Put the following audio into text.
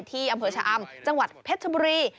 ที่อำเภอชะอำจังหวัดเพชรชบุรี